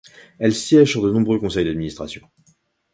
Elle siège sur de nombreux conseils d'administration.